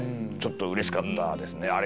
ちょっとうれしかったですね。